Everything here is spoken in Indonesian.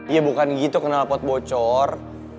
iya bukan gitu kenal pot bocor